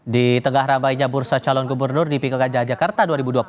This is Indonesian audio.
di tengah ramainya bursa calon gubernur di pilkada jakarta dua ribu dua puluh